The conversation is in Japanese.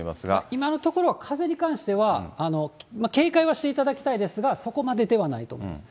今のところは、風に関しては、警戒はしていただきたいですが、そこまでではないと思います。